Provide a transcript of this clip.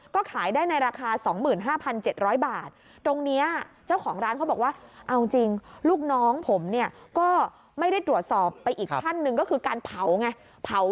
ก็ขายได้ราคา๒๕๗๐๐บาท